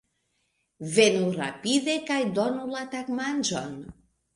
Venu rapide kaj donu la tagmanĝon!